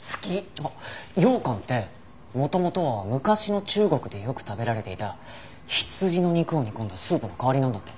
羊羹って元々は昔の中国でよく食べられていた羊の肉を煮込んだスープの代わりなんだって。